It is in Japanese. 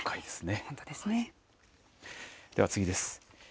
では次です。